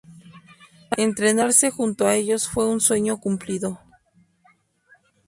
Entrenarse junto a ellos fue un sueño cumplido.